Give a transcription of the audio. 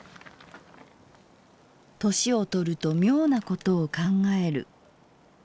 「齢をとると妙なことを考える。